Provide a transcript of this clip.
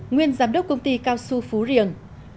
nguyên giám đốc công ty cao xu phú riềng